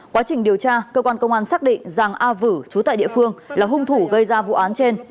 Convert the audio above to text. quá trình điều tra cơ quan công an xác định giàng a vữ trú tại địa phương là hung thủ gây ra vụ án trên